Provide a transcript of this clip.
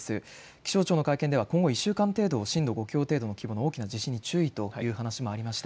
気象庁の会見では今後１週間程度震度５強程度の規模の大きな地震に注意という話もありました。